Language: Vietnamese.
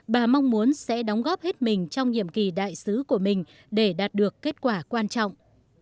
bà mong muốn sẽ đóng góp hết mình trong nhiệm kỳ đại sứ của mình để đạt được kết quả quan trọng